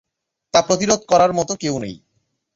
তা প্রতিরোধ করার মত কেউ নেই।